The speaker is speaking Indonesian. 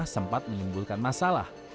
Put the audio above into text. sehingga sempat menimbulkan masalah